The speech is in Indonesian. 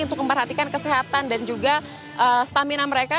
untuk memperhatikan kesehatan dan juga stamina mereka